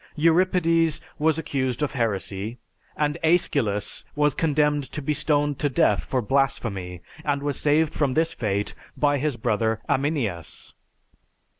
Euripides was accused of heresy, and Aeschylus was condemned to be stoned to death for blasphemy and was saved from this fate by his brother Aminias.